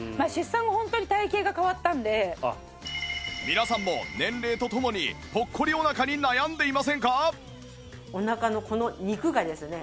皆さんも年齢とともにポッコリお腹に悩んでいませんか？